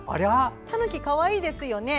たぬき、かわいいですよね。